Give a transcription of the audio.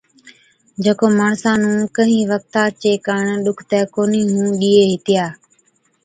جڪو ماڻسان نُون ڪهِين وقتا چي ڪاڻ ڏُکتي ڪونهِي هُئُون ڏِيئي هِتِيا۔